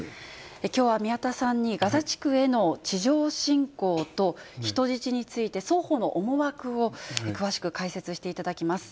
きょうは宮田さんに、ガザ地区への地上侵攻と人質について、双方の思惑を詳しく解説していただきます。